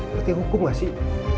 berarti hukum gak sih